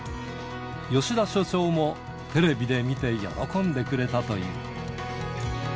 吉田所長もテレビで見て、喜んでくれたという。